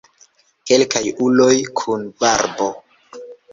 Kelkaj uloj kun barbo.